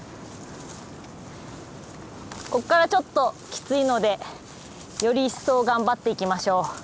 ここからちょっときついのでより一層頑張っていきましょう。